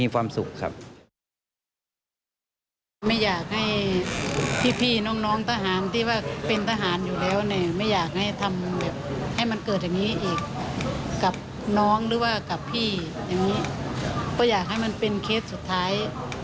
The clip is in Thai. ก็อยากให้มันเป็นเคสสุดท้าย